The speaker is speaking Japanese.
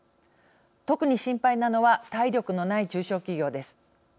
特に心配なのは体力のない中小企業です。